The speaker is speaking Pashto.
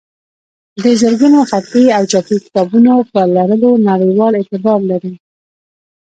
د زرګونو خطي او چاپي کتابونو په لرلو نړیوال اعتبار لري.